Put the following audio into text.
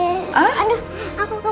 itu kayak tante aku itu oma